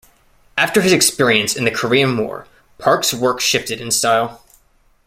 After his experience in the Korean War, Park's work shifted in style.